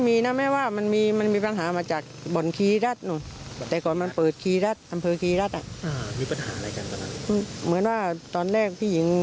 ที่ย้ายคนโตเขาก็ไปฮุบบอลของพี่หญิง